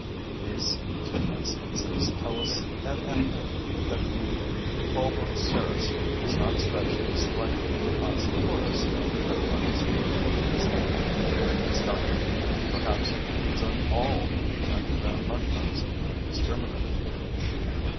These three instances tell us at any rate that the Bolboceras is not a specialist like the Oxyporus and the Triplax; he is able to vary his diet; perhaps he feeds on all the underground mushrooms indiscriminately.